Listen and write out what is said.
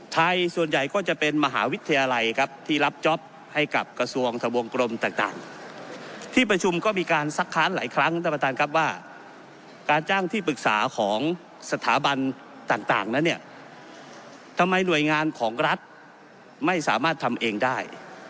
ส่วนใหญ่ก็จะเป็นมหาวิทยาลัยครับที่รับจ๊อปให้กับกระทรวงทะวงกรมต่างที่ประชุมก็มีการซักค้านหลายครั้งท่านประธานครับว่าการจ้างที่ปรึกษาของสถาบันต่างนั้นเนี่ยทำไมหน่วยงานของรัฐไม่สามารถทำเองได้